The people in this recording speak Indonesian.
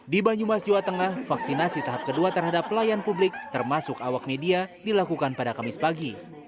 di banyumas jawa tengah vaksinasi tahap kedua terhadap pelayan publik termasuk awak media dilakukan pada kamis pagi